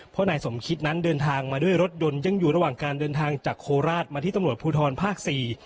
เพราะนายสมคิดนั้นเดินทางมาด้วยรถยนต์ยังอยู่ระหว่างการเดินทางจากโคราชมาที่ตำรวจภูทรภาคสี่